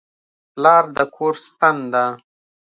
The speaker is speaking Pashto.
پلار د کور ستن ده.